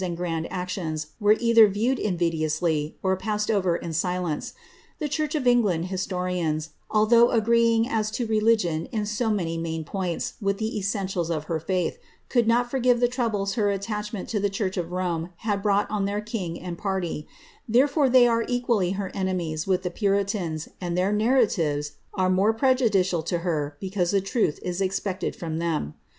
193 and grand actions were either viewed invidiously, or passed over in f deiire ; the church of England historians, although agreeing as to reli« ffifin in so many main points with the essentials of her faith, could not forgive the troubles her attachment to the church of Rome had brought on their king and party, therefoie they are equally her enemies with the puritans, and their narratives are more prejudicial to her because the truth is expected from them.